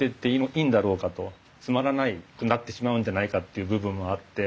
つまらなくなってしまうんじゃないかっていう部分もあって。